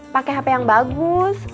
pake hp yang bagus